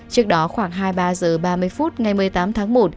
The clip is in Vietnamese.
trước đó khoảng hai mươi ba h ba mươi phút ngày một mươi tám tháng một